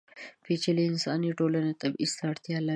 پېچلې انساني ټولنې تبعیض ته اړتیا لري.